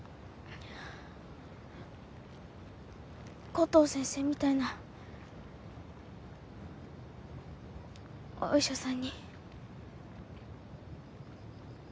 コトー先生みたいなお医者さんに。